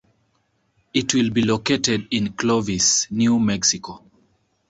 It will be located in Clovis, New Mexico.